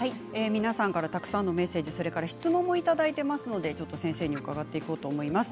皆さんからたくさんのメッセージ、質問もいただいていますので先生に伺っていこうと思います。